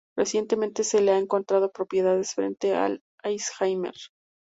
Recientemente se le han encontrado propiedades frente al Alzheimer.